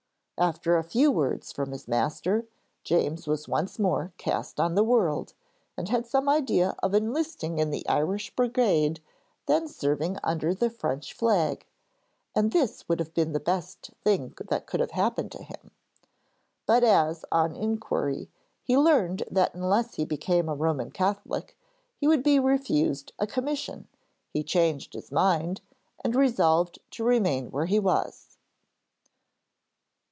After a few words from his master, James was once more cast on the world, and had some idea of enlisting in the Irish brigade then serving under the French flag, and this would have been the best thing that could have happened to him. But as, on inquiry, he learned that unless he became a Roman Catholic he would be refused a commission, he changed his mind and resolved to remain where he was.